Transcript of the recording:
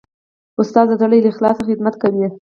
استاد د زړه له اخلاصه خدمت کوي.